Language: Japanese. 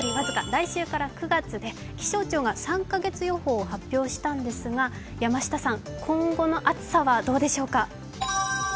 来週から９月で気象庁が３カ月予報を発表したんですが、山下さん、今後の暑さはどうでしょうか？